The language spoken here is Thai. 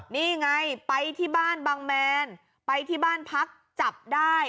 นี่ไงไปที่บ้านบางแมนไปที่บ้านพักจับได้